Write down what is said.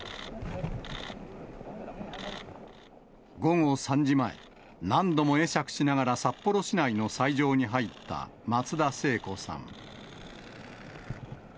午後３時前、何度も会釈しながら札幌市内の斎場に入った松田聖子さん。